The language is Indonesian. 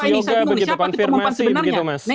siapa itu pengumpulan sebenarnya